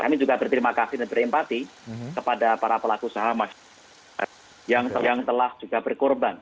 kami juga berterima kasih dan berempati kepada para pelaku usaha masyarakat yang telah juga berkorban